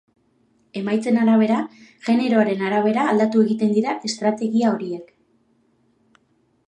Emaitzen arabera, generoaren arabera aldatu egiten dira estrategia horiek.